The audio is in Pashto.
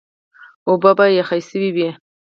اوبه به کنګل شوې وې.